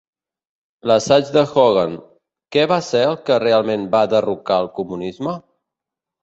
L'assaig de Hogan: Què va ser el que realment va derrocar el comunisme?